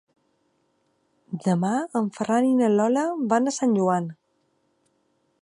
Demà en Ferran i na Lola van a Sant Joan.